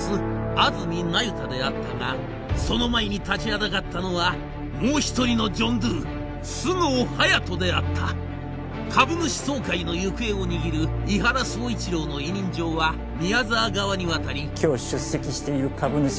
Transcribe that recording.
安積那由他であったがその前に立ちはだかったのはもう一人のジョン・ドゥ菅生隼人であった株主総会の行方を握る伊原総一郎の委任状は宮沢側に渡り今日出席している株主